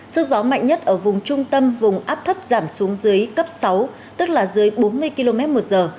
sức gió mạnh nhất ở vùng trung tâm vùng áp thấp giảm xuống dưới cấp sáu tức là dưới bốn mươi km một giờ